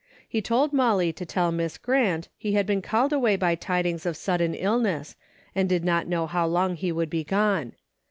He told Molly to tell Miss Grant he had been called away by tidings of sudden illness and did not know how long he would be gone.